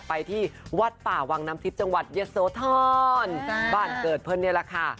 ไปที่วัดป่าวังน้ำทิพย์จังหวัดเยอะโสธรบ้านเกิดเพื่อนนี่แหละค่ะ